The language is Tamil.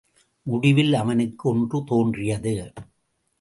முடிவில் அவனுக்கு ஒன்று தோன்றியது!